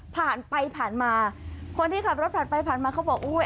ผ่านไปผ่านมาคนที่ขับรถผ่านไปผ่านมาเขาบอกอุ้ย